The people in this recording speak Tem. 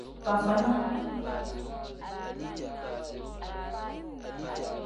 Fafana.